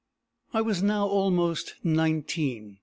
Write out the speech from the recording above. I was now almost nineteen.